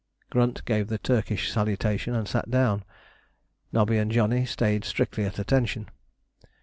Grunt gave the Turkish salutation and sat down. Nobby and Johnny stayed strictly at attention.